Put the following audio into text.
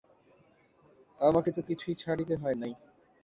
আমাকে তো কিছুই ছাড়িতে হয় নাই।